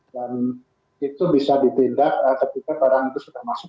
dan itu bisa dipindah ketika barang itu sudah masuk